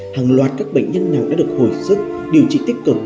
hàng loạt các bệnh nhân nào đã được hồi sức điều trị tích cực